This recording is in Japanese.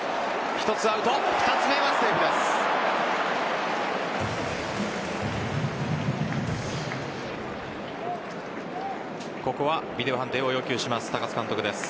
１つアウト、２つ目はセーフです。